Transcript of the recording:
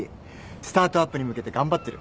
スタートアップに向けて頑張ってる。